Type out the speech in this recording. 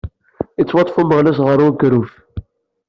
Yettwaṭṭef umeɣnas ɣer unekruf.